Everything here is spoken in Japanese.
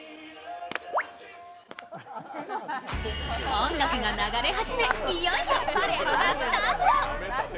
音楽が流れ始め、いよいよパレードがスタート。